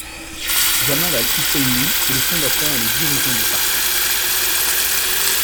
Jamal al-Husseini est le fondateur et le dirigeant du parti.